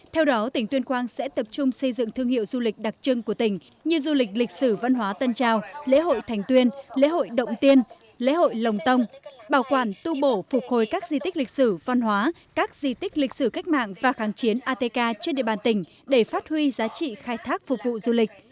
theo đó tỉnh tuyên quang sẽ tập trung xây dựng thương hiệu du lịch đặc trưng của tỉnh như du lịch lịch sử văn hóa tân trào lễ hội thành tuyên lễ hội động tiên lễ hội lồng tông bảo quản tu bổ phục hồi các di tích lịch sử văn hóa các di tích lịch sử cách mạng và kháng chiến atk trên địa bàn tỉnh để phát huy giá trị khai thác phục vụ du lịch